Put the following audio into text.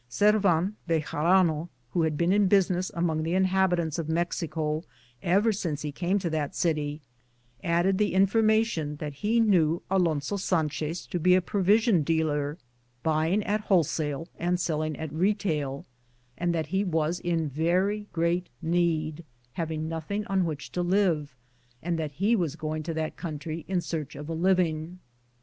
240 HijiNisi i,, Google THE JOUKNET OP CORONADO Sorran Bejarano, who had been in business among the inhabitants of Mexico ever since he came to that city, added the information that he knew Alonso Sanchez to be a pro vision dealer, buying at wholesale and sell ing at retail, and that he was in very great need, having nothing on which to live, and that he was going to that country in search, of a living.